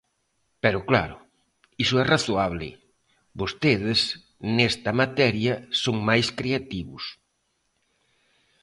Pero claro, iso é razoable: vostedes nesta materia son máis creativos.